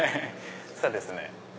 そうですね。